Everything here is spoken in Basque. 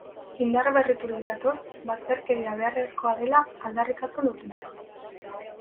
Indar berriturik datoz bazterkeria beharrezkoa dela aldarrikatzen dutenak.